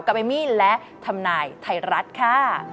กับเอมมี่และธรรมนายไทยรัฐค่ะ